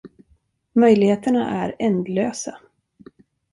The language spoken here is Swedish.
Möjligheterna är ändlösa.